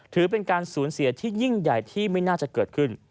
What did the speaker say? ถือเป็นการสูญเสียที่ยิ่งใหญ่ที่ไม่น่าจะเกิดขึ้น